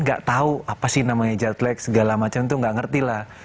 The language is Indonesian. gak tau apa sih namanya jet lag segala macem tuh gak ngerti lah